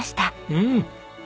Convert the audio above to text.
うん。